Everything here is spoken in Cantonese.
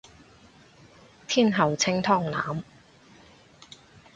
天后清湯腩